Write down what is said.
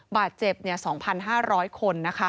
บาดเจ็บ๒๕๐๐คน